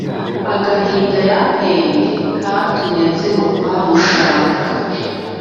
Agahinda yanteye, katumye nzinukwa gushaka